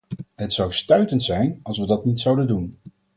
Het zou stuitend zijn, als we dat niet zouden doen.